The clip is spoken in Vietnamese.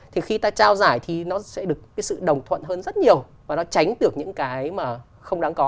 thì khi ta trao giải thì nó sẽ được cái sự đồng thuận hơn rất nhiều và nó tránh được những cái mà không đáng có